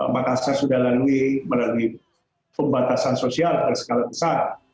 makassar sudah lalui melalui pembatasan sosial dari skala besar